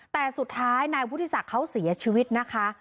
แต่สุดท้ายนายวุฒิศักดิ์เขาเสียชีวิตนะคะ